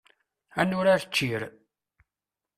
Ad nurar ččir.